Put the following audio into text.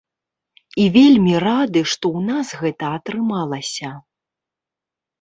І вельмі рады, што ў нас гэта атрымалася.